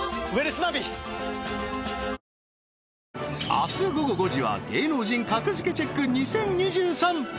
明日午後５時は『芸能人格付けチェック ！２０２３』